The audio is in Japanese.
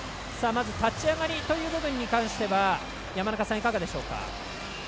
まず立ち上がりという部分に関しては山中さん、いかがでしょうか？